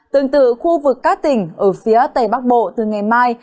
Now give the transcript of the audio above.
tương tự khu vực các tỉnh ở phía tây bắc bộ từ ngày mai